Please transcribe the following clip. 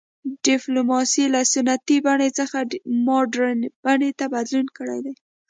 ډیپلوماسي له سنتي بڼې څخه مډرنې بڼې ته بدلون کړی دی